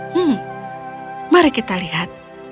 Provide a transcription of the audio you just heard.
hmm mari kita lihat